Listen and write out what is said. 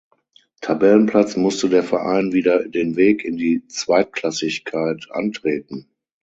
Tabellenplatz musste der Verein wieder den Weg in die Zweitklassigkeit antreten.